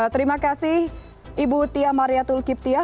terima kasih ibu tia maria tulqiptia